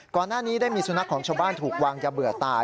ก่อนหน้านี้ได้มีสุนัขของชาวบ้านถูกวางยาเบื่อตาย